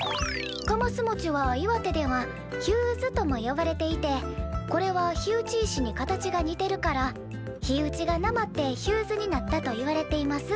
かますもちは岩手では『ひゅうず』とも呼ばれていてこれは火打ち石に形が似てるから『ひうち』がなまって『ひゅうず』になったといわれています」